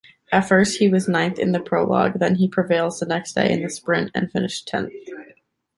At first he was ninth in the prolog, then he prevails the next day in the sprint and finished tenth.